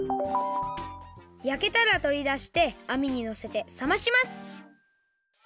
やけたらとりだしてあみにのせてさまします。